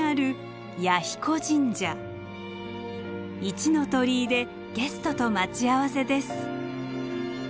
一の鳥居でゲストと待ち合わせです。